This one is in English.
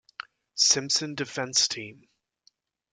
Simpson defense team.